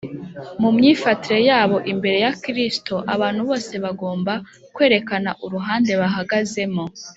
. Mu myifatire yabo imbere ya Kristo, abantu bose bagomba kwerekana uruhande bahagazemo